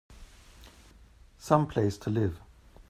Some place to live!